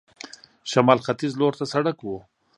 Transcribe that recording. شمال ختیځ لور ته سړک و.